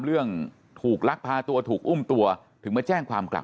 เรื่องถูกลักพาตัวถูกอุ้มตัวถึงมาแจ้งความกลับ